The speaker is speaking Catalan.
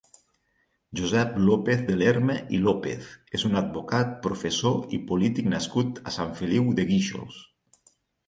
Josep López de Lerma i López és un advocat, professor i polític nascut a Sant Feliu de Guíxols.